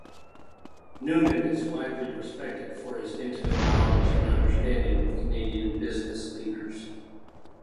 Newman is widely respected for his intimate knowledge and understanding of Canadian business leaders.